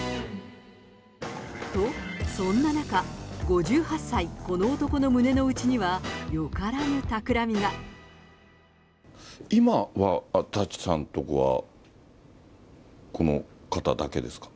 と、そんな中、５８歳、この男の胸の内には、今は、舘さん所は、この方だけですか？